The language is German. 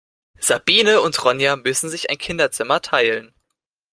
Sabine und Ronja müssen sich ein Kinderzimmer teilen.